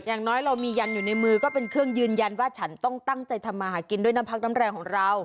อย่างน้อยเรามียันอยู่ในมือก็เป็นเครื่องยืนยันว่าฉันต้องตั้งใจทำมาหากินด้วยน้ำพักน้ำแรงของเรา